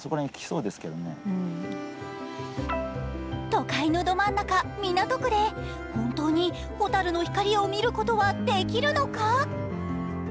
都会のど真ん中・港区で本当に蛍の光を見ることはできるのか。